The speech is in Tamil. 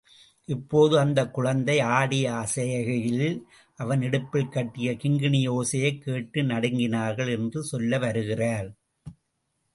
இப்போது அந்தக் குழந்தை ஆடி அசைகையில் அவன் இடுப்பில் கட்டிய கிங்கிணியோசையைக் கேட்டு நடுங்கினார்கள் என்று சொல்ல வருகிறார்.